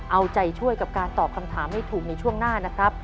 เอาใจช่วยกับการตอบคำถามให้ถูกในช่วงหน้านะครับ